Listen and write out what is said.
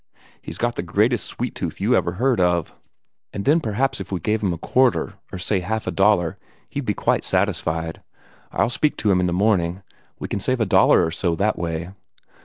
He's got the greatest sweet tooth you ever heard of. And then perhaps if we gave him a quarter, or say half a dollar, he'd be quite satisfied. I'll speak to him in the morning. We can save a dollar or so that way."